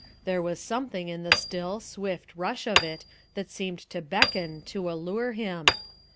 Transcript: There was something in the still, swift rush of it that seemed to beckon, to allure him.